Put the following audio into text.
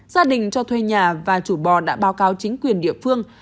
gia đình cho thuê nhà và chủ bò đã báo cáo chính quyền địa phương